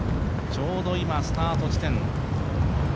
ちょうど今、スタート地点。